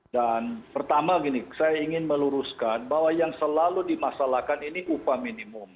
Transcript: dan pertama saya ingin meluruskan bahwa yang selalu dimasalahkan ini upah minimum